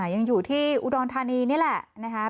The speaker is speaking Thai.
ยังอยู่ที่อุดรธานีนี่แหละนะคะ